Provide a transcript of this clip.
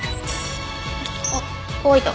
あっ乾いた。